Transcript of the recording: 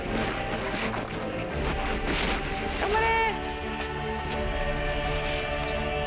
・頑張れ。